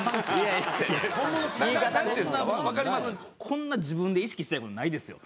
こんな自分で意識してない事ないですよ。